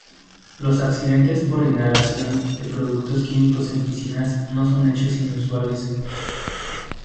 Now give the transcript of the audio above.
Los accidentes por inhalación de productos químicos en piscinas no son hechos inusuales.